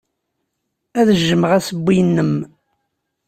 Ad jjmeɣ assewwi-nnem.